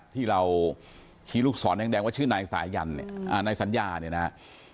ที่เราชี้ลูกศรแดงว่าชื่อนายสายัญนายสัญญาเนี่ยนะฮะ